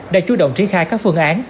đã chú động tri khai các phương án